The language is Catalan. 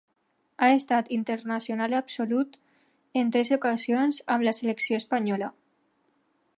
Ha estat internacional absolut en tres ocasions amb la Selecció espanyola.